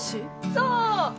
そう！